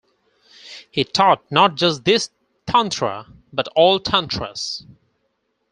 He taught not just this tantra, but all tantras.